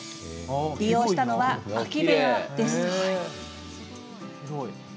利用したのは空き部屋です。